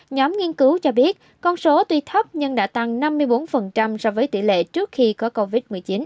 nhóm nghiên cứu cho biết con số tuy thấp nhưng đã tăng năm mươi bốn so với tỷ lệ trước khi có covid một mươi chín